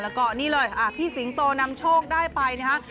แล้วก็นี่เลยพี่สิงโตนำโชคได้ไปนะฮะ